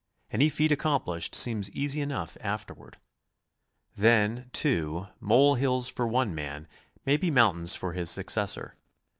Any feat accomplished seems easy enough after ward. Then, too, mole hills for one man may be moun tains for his successor.